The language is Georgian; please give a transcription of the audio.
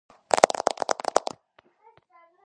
შედეგად იმპერატორმა თავი მოიკლა.